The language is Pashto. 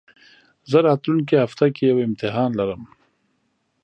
زه راتلونکي هفته کي يو امتحان لرم